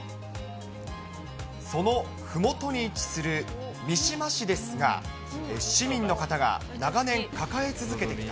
そのふもとに位置する三島市ですが、市民の方が長年、抱え続けてきた。